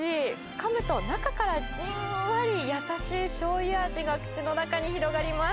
かむと、中からじんわり優しいしょうゆ味が口の中に広がります。